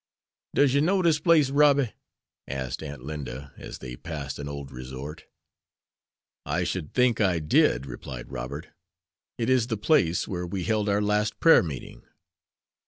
"Does yer know dis place, Robby," asked Aunt Linda, as they passed an old resort. "I should think I did," replied Robert. "It is the place where we held our last prayer meeting."